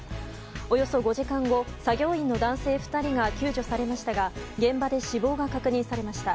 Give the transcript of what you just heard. およそ５時間後、作業員の男性２人が救助されましたが現場で死亡が確認されました。